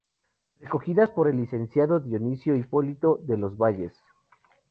Recogidas por el licenciado Dionisio Hipólito de los Valles".